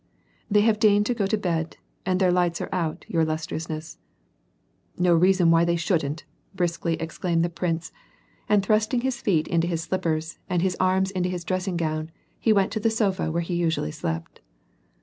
"They have deigned to go to bed, and their lights are out, your illustriousness." "No reason why they shouldn't," briskly exclaimed the 276 tr.iy? aXD peace. prince, and thrusting his feet into his slippers, and his arms into his dressing gown, he went to the sofa where he usuallj j slept.